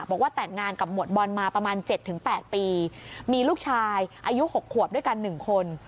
บอกว่าแต่งงานกับหมวดบอลมาประมาณ๗๘ปีมีลูกชายอายุ๖ขวบด้วยกัน๑คน